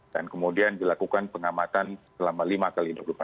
kemudian dilakukan pengamatan selama lima x dua puluh empat jam